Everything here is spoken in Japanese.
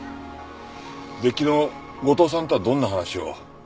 で昨日後藤さんとはどんな話を？